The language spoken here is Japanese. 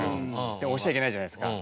でも押したらいけないじゃないですか。